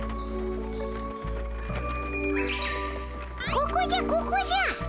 ここじゃここじゃ。